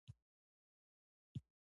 هغه راته کمپ ته نژدې غونډۍ راوښووله.